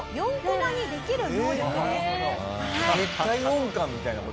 絶対音感みたいな事？